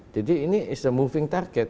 jadi ini is a moving target